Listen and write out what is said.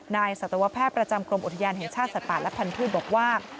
สัตวแพทย์ประจำกรมอุทยานแห่งชาติสัตว์ป่าและพันธุ์บอกว่า